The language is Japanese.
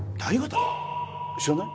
知らない？